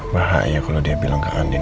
bahaya kalau dia bilang ke aneh